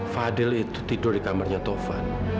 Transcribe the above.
fadil itu tidur di kamarnya tovan